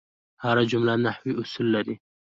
هره جمله نحوي اصول لري.